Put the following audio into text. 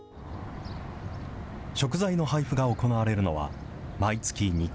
食材の配布が行われるのは毎月２回。